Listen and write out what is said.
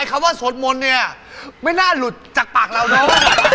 คำว่าสวดมนต์เนี่ยไม่น่าหลุดจากปากเราเนอะ